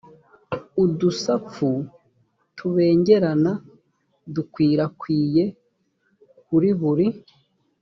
udusapfu tubengerana dukwirakwiye kuri buri